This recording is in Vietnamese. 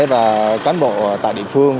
và cán bộ tại địa phương